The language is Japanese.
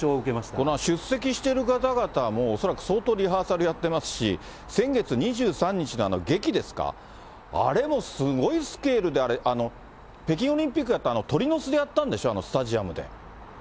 この出席している方々も、恐らく相当リハーサルやってますし、先月２３日のあの劇ですか、あれもすごいスケールで、北京オリンピックやった鳥の巣でやったんでしょ？